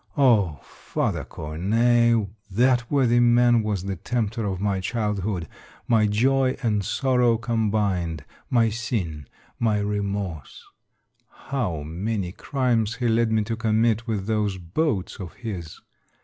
Oh ! Father Cornet ! That worthy man was the tempter of my childhood, my joy and sorrow combined, my sin, The Pope is Dead, 271 my remorse. How many crimes he led me to commit with those boats of his